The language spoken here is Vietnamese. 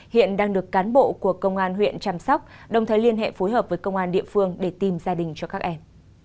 hiện đang được cán bộ của công an huyện chăm sóc đồng thời liên hệ phối hợp với công an địa phương để tìm gia đình cho các em